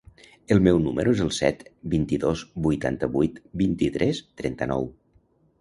El meu número es el set, vint-i-dos, vuitanta-vuit, vint-i-tres, trenta-nou.